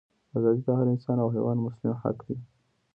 ازادي د هر انسان او حیوان مسلم حق دی.